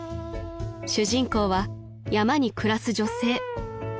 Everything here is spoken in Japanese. ［主人公は山に暮らす女性］